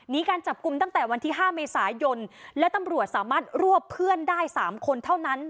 การจับกลุ่มตั้งแต่วันที่๕เมษายนและตำรวจสามารถรวบเพื่อนได้๓คนเท่านั้น